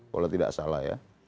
kalau tidak salah ya